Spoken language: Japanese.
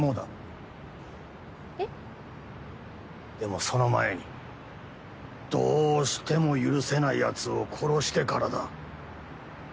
でもその前にどうしても許せないやつを殺してからだ。